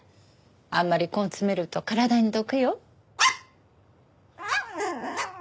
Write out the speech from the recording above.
あんまり根を詰めると体に毒よ。